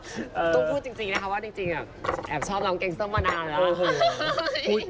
ต้องพูดจริงนะคะว่าจริงแอบชอบร้องแกงส้มมานานแล้ว